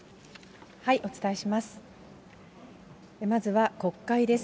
お伝えします。